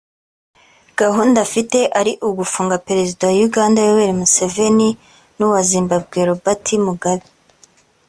gahunda afite ari ugufunga Perezida wa Uganda Yoweri Museveni n’uwa Zimbabwe Robert Mugabe